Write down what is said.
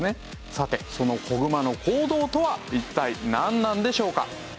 さてその子グマの行動とは一体なんなんでしょうか？